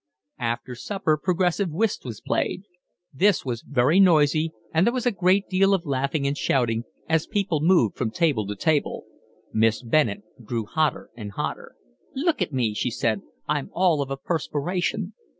After supper progressive whist was played. This was very noisy, and there was a great deal of laughing and shouting, as people moved from table to table. Miss Bennett grew hotter and hotter. "Look at me," she said. "I'm all of a perspiration."